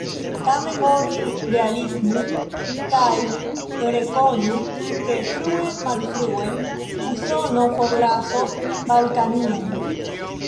Tamen oni realismu kaj rekonu, ke frue malfrue Usono forlasos Balkanion.